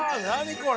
これ。